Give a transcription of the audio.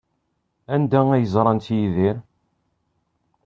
Anda ay ẓrant Yidir?